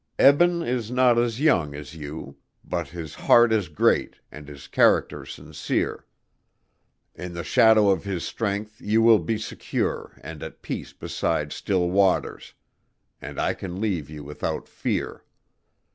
Eben is not as young as you, but his heart is great and his character sincere. In the shadow of his strength you will 'be secure and at peace beside still waters' and I can leave you without fear.